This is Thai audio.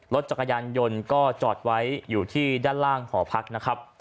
รถจักรยานยนต์ก็จอดไว้อยู่ที่ด้านล่างหอพักนะครับ